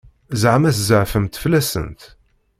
Ẓeɛma tzeɛfemt fell-asent?